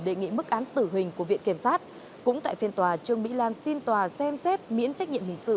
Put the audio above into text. đề nghị mức án tử hình của viện kiểm sát cũng tại phiên tòa trương mỹ lan xin tòa xem xét miễn trách nhiệm hình sự